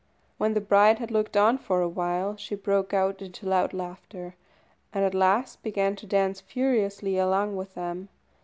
When the bride had looked on for a while, she broke out into loud laughter, and at last began to dance furiously along with them.